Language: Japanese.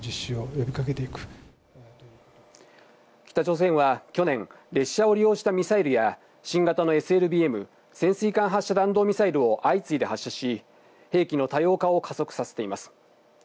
北朝鮮は去年、列車を利用したミサイルや、新型のＳＬＢＭ＝潜水艦発射弾道ミサイルを相次いで発射し、兵器の多様化を加速させています。